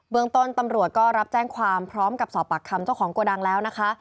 เมืองต้นตำรวจก็รับแจ้งความพร้อมกับสอบปากคำเจ้าของโกดังแล้วนะคะ